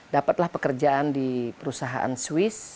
dapatlah pekerjaan di perusahaan swiss